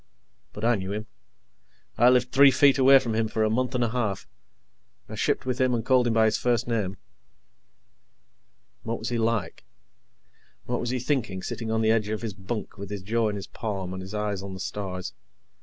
But I knew him. I lived three feet away from him for a month and a half. I shipped with him and called him by his first name. What was he like? What was he thinking, sitting on the edge of his bunk with his jaw in his palm and his eyes on the stars?